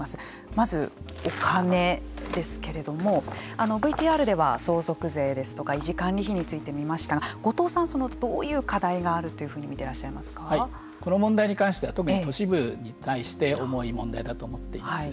まずお金ですけれどもＶＴＲでは相続税ですとか維持管理費について見ましたが後藤さんはどういう課題があるというふうにこの問題に関しては特に都市部に対して重い問題だと思っています。